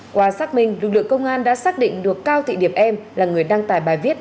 qua xác minh lực lượng công an đã xác định được cao thị điệp em là người đăng tải bài viết